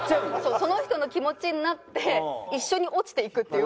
その人の気持ちになって一緒に落ちていくっていう。